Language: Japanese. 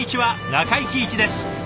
中井貴一です。